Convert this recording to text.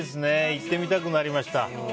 行ってみたくなりました。